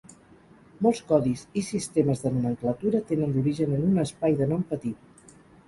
Molts codis i sistemes de nomenclatura tenen l'origen en un espai de nom petit.